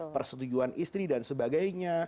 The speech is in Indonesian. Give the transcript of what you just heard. persetujuan istri dan sebagainya